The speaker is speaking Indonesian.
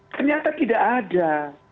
ternyata tidak ada